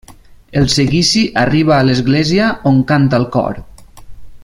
El seguici arriba a l'església, on canta el cor.